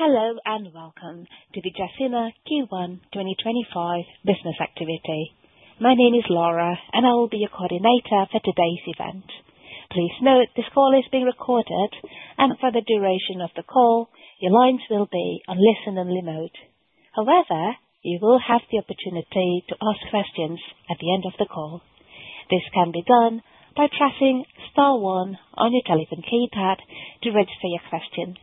Hello and welcome to the Gecina Q1 2025 business activity. My name is Laura, and I will be your coordinator for today's event. Please note this call is being recorded, and for the duration of the call, your lines will be on listen-only mode. However, you will have the opportunity to ask questions at the end of the call. This can be done by pressing star one on your telephone keypad to register your question.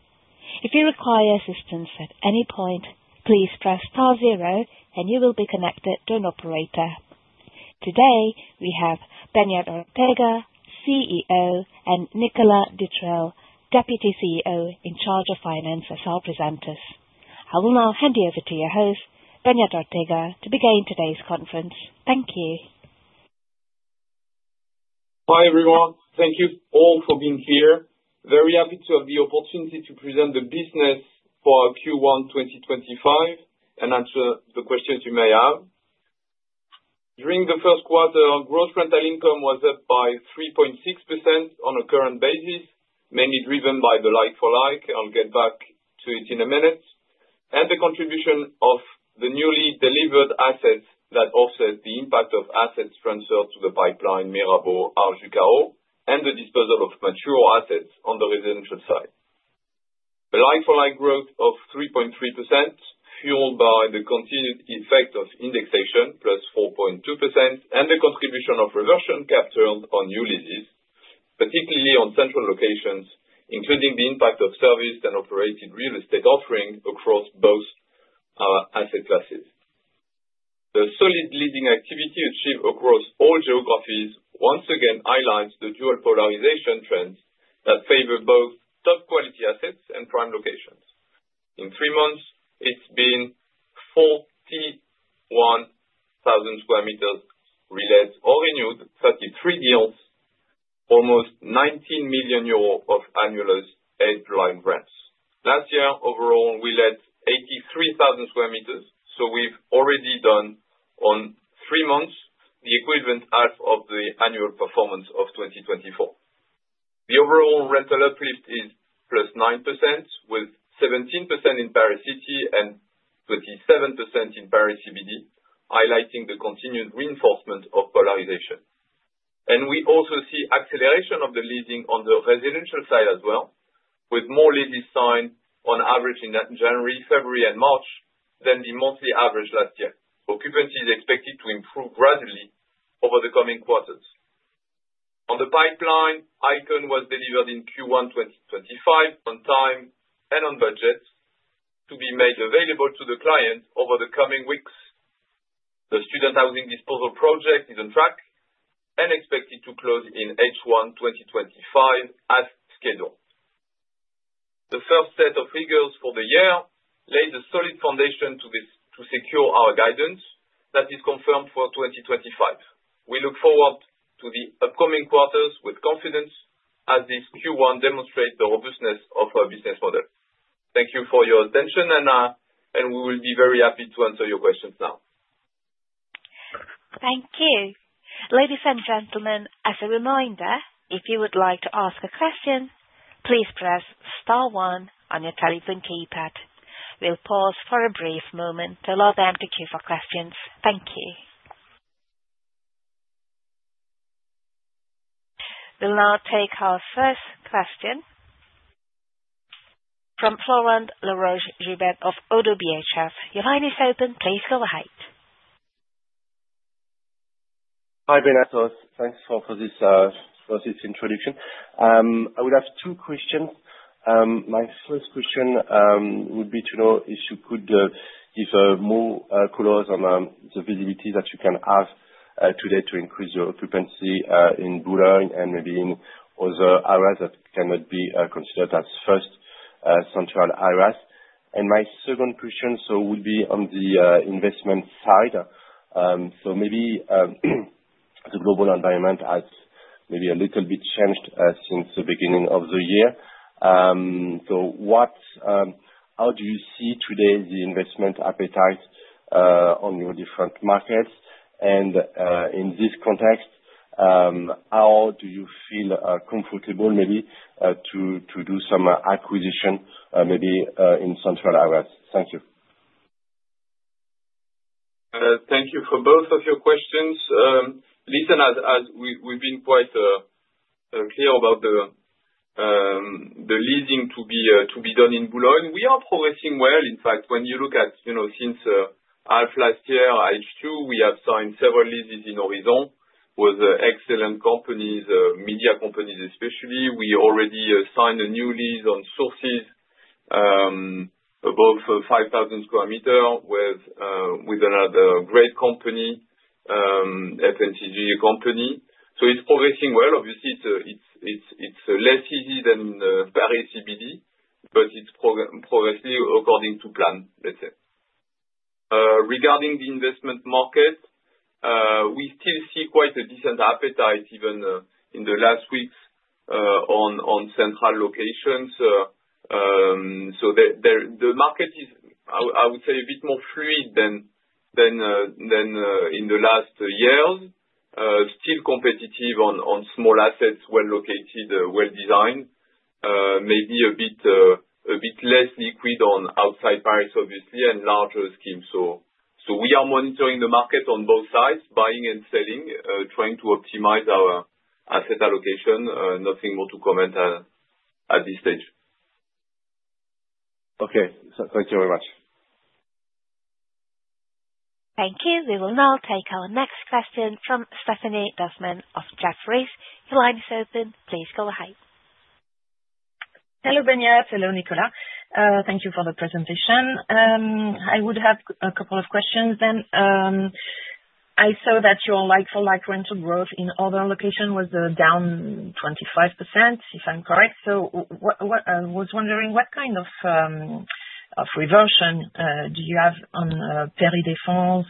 If you require assistance at any point, please press star zero, and you will be connected to an operator. Today, we have Beñat Ortega, CEO, and Nicolas Dutreuil, Deputy CEO in charge of finance, as our presenters. I will now hand you over to your host, Beñat Ortega, to begin today's conference. Thank you. Hi everyone. Thank you all for being here. Very happy to have the opportunity to present the business for Q1 2025 and answer the questions you may have. During the first quarter, gross rental income was up by 3.6% on a current basis, mainly driven by the like-for-like. I'll get back to it in a minute. The contribution of the newly delivered assets offset the impact of assets transferred to the pipeline Mirabeau-Angivillers, and the disposal of mature assets on the residential side. The like-for-like growth of 3.3% was fueled by the continued effect of indexation, plus 4.2%, and the contribution of reversion captures on new leases, particularly on central locations, including the impact of serviced and operated real estate offering across both asset classes. The solid leasing activity achieved across all geographies once again highlights the dual polarization trends that favor both top-quality assets and prime locations. In three months, it's been 41,000 sq m re-let or renewed, 33 deals, almost 19 million euros of annualized headline rents. Last year, overall, we let 83,000 sq m, so we've already done, on three months, the equivalent half of the annual performance of 2024. The overall rental uplift is plus 9%, with 17% in Paris City and 27% in Paris CBD, highlighting the continued reinforcement of polarization. We also see acceleration of the leasing on the residential side as well, with more leases signed on average in January, February, and March than the monthly average last year. Occupancy is expected to improve gradually over the coming quarters. On the pipeline, Icône was delivered in Q1 2025 on time and on budget, to be made available to the client over the coming weeks. The student housing disposal project is on track and expected to close in H1 2025 as scheduled. The first set of figures for the year laid a solid foundation to secure our guidance that is confirmed for 2025. We look forward to the upcoming quarters with confidence as this Q1 demonstrates the robustness of our business model. Thank you for your attention, and we will be very happy to answer your questions now. Thank you. Ladies and gentlemen, as a reminder, if you would like to ask a question, please press star one on your telephone keypad. We'll pause for a brief moment to allow them to queue for questions. Thank you. We'll now take our first question from Florent Laroche-Joubert of ODDO BHF. Your line is open. Please go ahead. Hi, Beñat. Thanks for this introduction. I would have two questions. My first question would be to know if you could give more colors on the visibility that you can have today to increase your occupancy in Boulogne and maybe in other areas that cannot be considered as first central areas. My second question would be on the investment side. Maybe the global environment has maybe a little bit changed since the beginning of the year. How do you see today the investment appetite on your different markets? In this context, how do you feel comfortable maybe to do some acquisition maybe in central areas? Thank you. Thank you for both of your questions. Lisa, as we've been quite clear about the leasing to be done in Boulogne, we are progressing well. In fact, when you look at since half last year H2, we have signed several leases in Horizon with excellent companies, media companies especially. We already signed a new lease on Sources above 5,000 sq m with another great company, FNTG Company. So it's progressing well. Obviously, it's less easy than Paris CBD, but it's progressing according to plan, let's say. Regarding the investment market, we still see quite a decent appetite even in the last weeks on central locations. The market is, I would say, a bit more fluid than in the last years, still competitive on small assets, well located, well designed, maybe a bit less liquid on outside Paris, obviously, and larger schemes. We are monitoring the market on both sides, buying and selling, trying to optimize our asset allocation. Nothing more to comment at this stage. Okay. Thank you very much. Thank you. We will now take our next question from Stéphanie Dossmann of Jefferies. Your line is open. Please go ahead. Hello, Beñat. Hello, Nicolas. Thank you for the presentation. I would have a couple of questions then. I saw that your like-for-like rental growth in other locations was down 25%, if I'm correct. I was wondering what kind of reversion do you have on Paris La Défense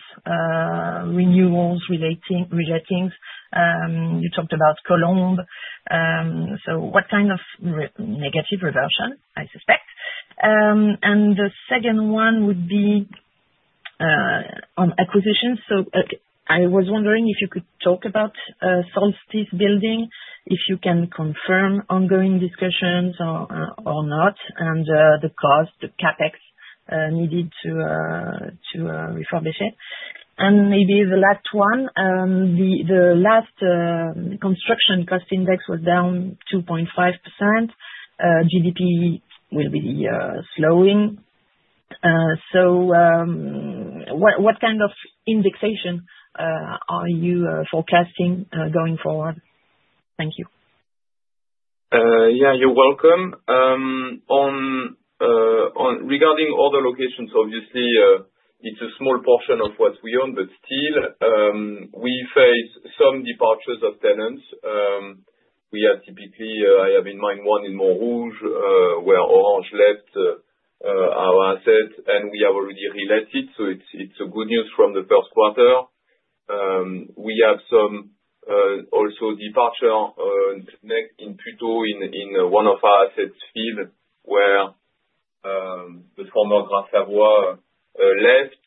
renewals relating to Colombes? What kind of negative reversion, I suspect? The second one would be on acquisitions. I was wondering if you could talk about Solstice Building, if you can confirm ongoing discussions or not, and the cost, the CapEx needed to refurbish it. Maybe the last one, the last construction cost index was down 2.5%. GDP will be slowing. What kind of indexation are you forecasting going forward? Thank you. Yeah, you're welcome. Regarding other locations, obviously, it's a small portion of what we own, but still, we face some departures of tenants. We have, typically, I have in mind one in Montrouge where Orange left our asset, and we have already re-let it. It is good news from the first quarter. We have some also departure in Puteaux in one of our asset fields where the former Gras Savoye left,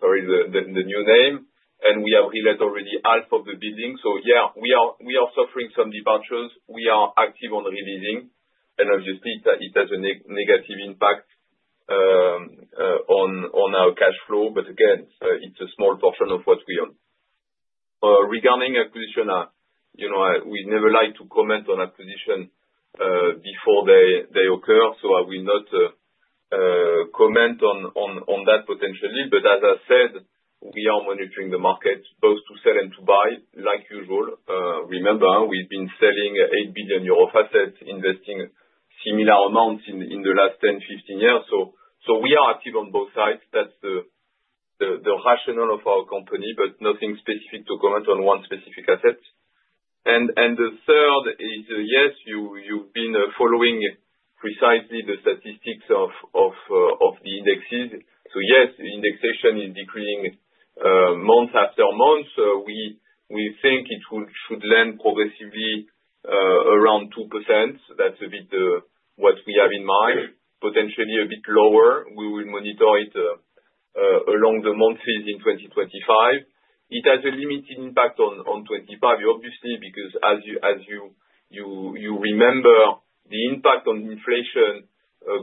sorry, the new name, and we have re-let already half of the building. Yeah, we are suffering some departures. We are active on releasing, and obviously, it has a negative impact on our cash flow, but again, it's a small portion of what we own. Regarding acquisition, we never like to comment on acquisition before they occur, so I will not comment on that potentially. As I said, we are monitoring the market both to sell and to buy, like usual. Remember, we have been selling 8 billion euro of assets, investing similar amounts in the last 10-15 years. We are active on both sides. That is the rationale of our company, but nothing specific to comment on one specific asset. The third is, yes, you have been following precisely the statistics of the indexes. Yes, indexation is decreasing month after month. We think it should land progressively around 2%. That is a bit what we have in mind, potentially a bit lower. We will monitor it along the months in 2025. It has a limited impact on 2025, obviously, because as you remember, the impact on inflation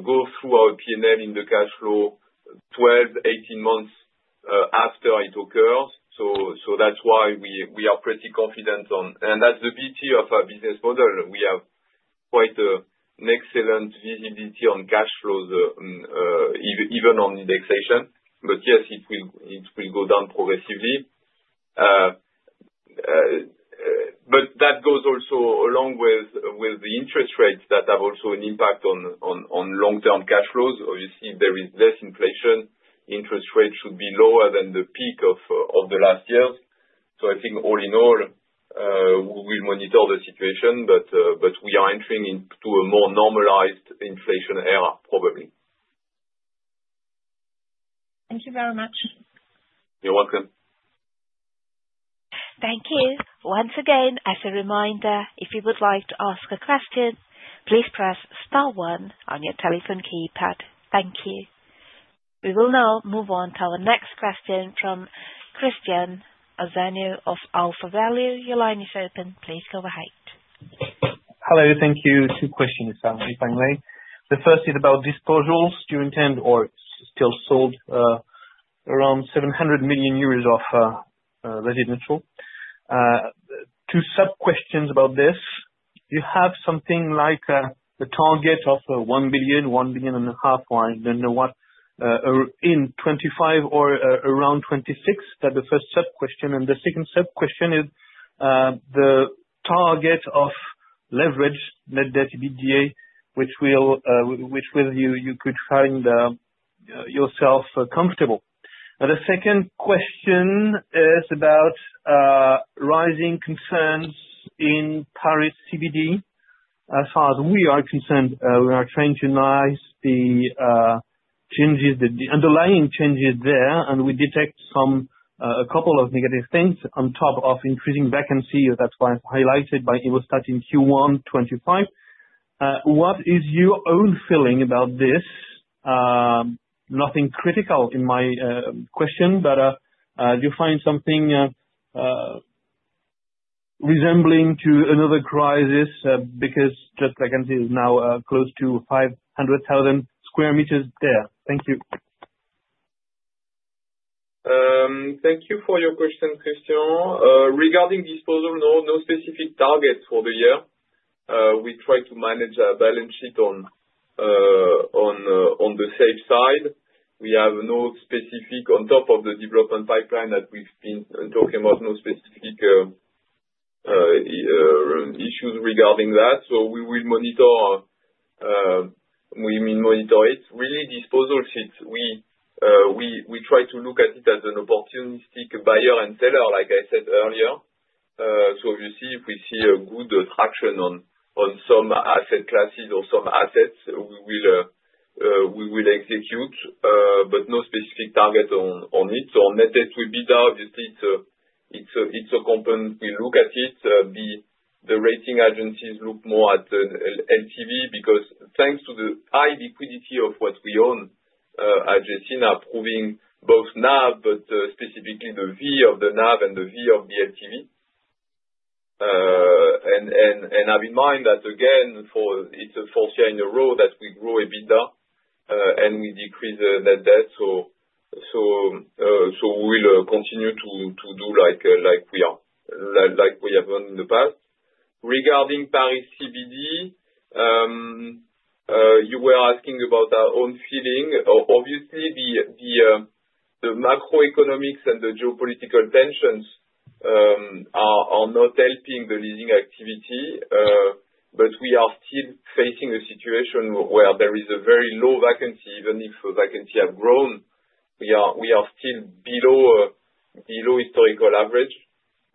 goes through our P&L in the cash flow 12-18 months after it occurs. That is why we are pretty confident on, and that is the beauty of our business model. We have quite an excellent visibility on cash flows, even on indexation. Yes, it will go down progressively. That goes also along with the interest rates that have also an impact on long-term cash flows. Obviously, there is less inflation. Interest rates should be lower than the peak of the last years. I think all in all, we will monitor the situation, but we are entering into a more normalized inflation era, probably. Thank you very much. You're welcome. Thank you. Once again, as a reminder, if you would like to ask a question, please press star one on your telephone keypad. Thank you. We will now move on to our next question from Christian Auzanneau of AlphaValue. Your line is open. Please go ahead. Hello. Thank you. Two questions, if I may. The first is about disposals. Do you intend or still sold around 700 million euros of residential? Two sub-questions about this. You have something like the target of 1 billion, 1.5 billion, I don't know what, in 2025 or around 2026. That's the first sub-question. The second sub-question is the target of leverage, net debt EBITDA, which will you could find yourself comfortable. The second question is about rising concerns in Paris CBD. As far as we are concerned, we are trying to analyze the changes, the underlying changes there, and we detect a couple of negative things on top of increasing vacancy. That's why it's highlighted by Immostat in Q1 2025. What is your own feeling about this? Nothing critical in my question, but do you find something resembling to another crisis? Because just vacancy is now close to 500,000 sq m there. Thank you. Thank you for your question, Christian. Regarding disposal, no specific targets for the year. We try to manage our balance sheet on the safe side. We have no specific on top of the development pipeline that we've been talking about, no specific issues regarding that. We will monitor. We mean monitor it. Really, disposal sheets, we try to look at it as an opportunistic buyer and seller, like I said earlier. Obviously, if we see a good traction on some asset classes or some assets, we will execute, but no specific target on it. Net debt will be there. Obviously, it's a component we look at it. The rating agencies look more at LTV because thanks to the high liquidity of what we own, as you see, now proving both NAV, but specifically the V of the NAV and the V of the LTV. Have in mind that, again, it's the fourth year in a row that we grow EBITDA and we decrease net debt. We will continue to do like we have done in the past. Regarding Paris CBD, you were asking about our own feeling. Obviously, the macroeconomics and the geopolitical tensions are not helping the leasing activity, but we are still facing a situation where there is a very low vacancy. Even if vacancy has grown, we are still below historical average.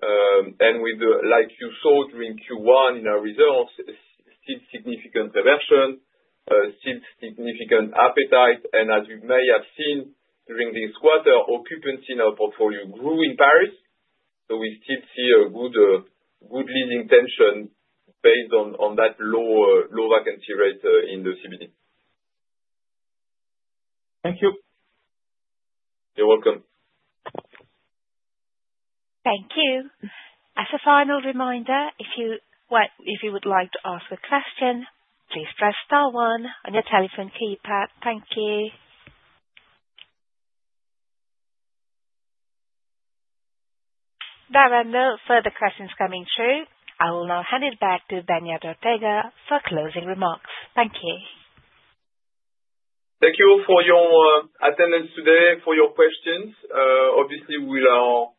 Like you saw during Q1 in our results, still significant reversion, still significant appetite. As you may have seen during this quarter, occupancy in our portfolio grew in Paris. We still see a good leasing tension based on that low vacancy rate in the CBD. Thank you. You're welcome. Thank you. As a final reminder, if you would like to ask a question, please press star one on your telephone keypad. Thank you. There are no further questions coming through. I will now hand it back to Beñat Ortega for closing remarks. Thank you. Thank you for your attendance today, for your questions. Obviously, we are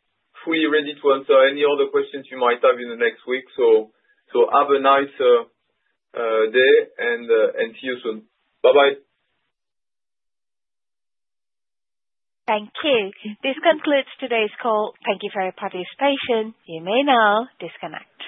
fully ready to answer any other questions you might have in the next week. Have a nice day and see you soon. Bye-bye. Thank you. This concludes today's call. Thank you for your participation. You may now disconnect.